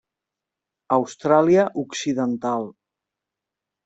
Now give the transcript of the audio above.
Austràlia Occidental.